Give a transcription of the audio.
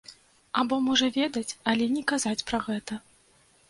Або можа ведаць, але не казаць пра гэта.